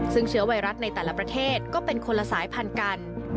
ซึ่งเชื้อไวรัสในแต่ละประเทศก็เป็นคนละสายพันธุ์กัน